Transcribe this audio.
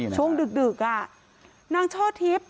ช่วงดึกนางช่อทิพย์